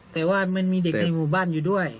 แต่ว่ามันมีเด็กในหมู่บ้านอยู่ด้วย